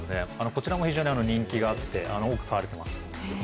こちらも非常に人気があって多く買われてます。